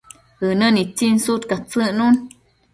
ënë nitsin sudcanun